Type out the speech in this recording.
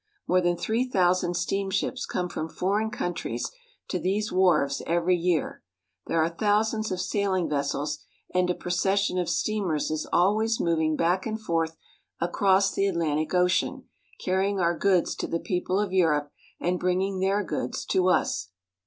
More than three thousand steamships come from foreign countries to these wharves every year. There are thou sands of sailing vessels, and a procession of steamers is al ways moving back and forth across the Atlantic Ocean, carrying our goods to the people of Europe and bringing their goods to us.